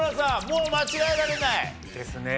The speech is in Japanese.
もう間違えられない。ですね。